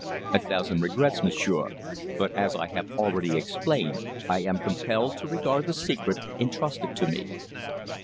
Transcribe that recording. "A thousand regrets, m'sieur, but as I have already explained, I am compelled to regard the secret entrusted to me."